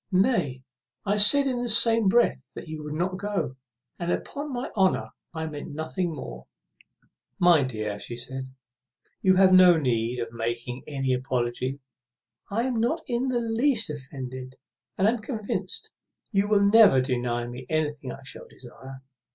Nay, I said in the same breath you would not go; and, upon my honour, I meant nothing more." "My dear," said she, "you have no need of making any apology. I am not in the least offended, and am convinced you will never deny me what I shall desire."